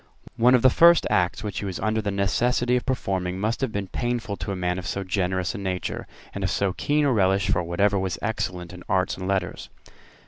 One of the first acts which he was under the necessity of performing must have been painful to a man of so generous a nature, and of so keen a relish for whatever was excellent in arts and letters.